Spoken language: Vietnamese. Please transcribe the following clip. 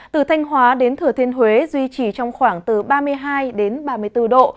từ thanh hóa đến thừa thiên huế duy trì trong khoảng từ ba mươi hai ba mươi bốn độ